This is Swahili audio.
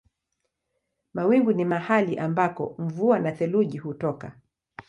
Mawingu ni mahali ambako mvua na theluji hutoka.